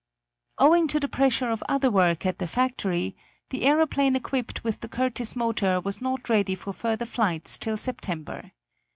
Owing to the pressure of other work at the factory, the aeroplane equipped with the Curtiss motor was not ready for further flights till September.